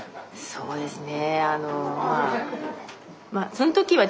そうですね。